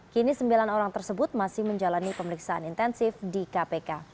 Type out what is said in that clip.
kini sembilan orang tersebut masih menjalani pemeriksaan intensif di kpk